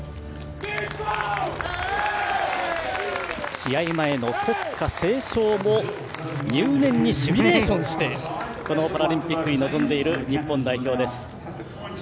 試合前の国歌斉唱も入念にシミュレーションしてこのパラリンピックに臨んでいる日本代表です。